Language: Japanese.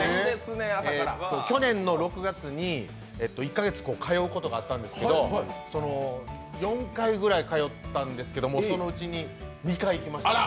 去年の６月に１か月通うことがあったんですけど４回ぐらい通ったんですけど、そのうち２回行きました。